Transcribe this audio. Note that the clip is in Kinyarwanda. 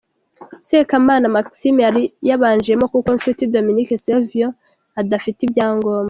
Sekamana Maxime yari yabanjemo kuko Nshuti Dominique Savio adafite ibyangombwa.